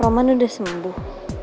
roman sudah sembuh